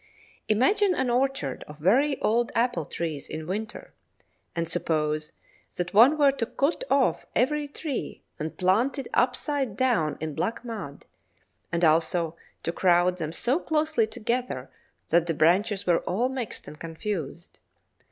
Imagine an orchard of very old apple trees in winter, and suppose that one were to cut off every tree and plant it upside down in black mud, and also to crowd them so closely together that the branches were all mixed and confused.